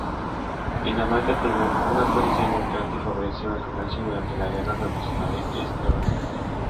Dinamarca tuvo una posición neutral que favoreció el comercio durante la Guerra Revolucionaria estadounidense.